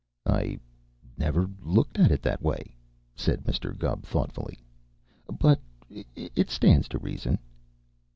"I never before looked at it that way," said Mr. Gubb thoughtfully, "but it stands to reason."